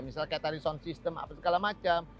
misal kaitan rison sistem apa segala macam